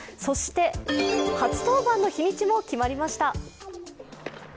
そして、初登板の日にちも決まりました。